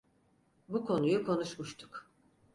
Bu konuyu konuşmuştuk.